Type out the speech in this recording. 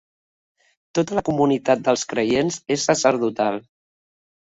Tota la comunitat dels creients és sacerdotal.